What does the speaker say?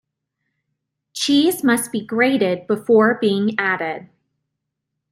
Cheese must be grated before being added.